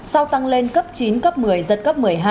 sau tăng lên cấp chín cấp một mươi giật cấp một mươi hai